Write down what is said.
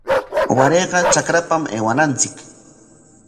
Warayqa trakrapam aywananchik.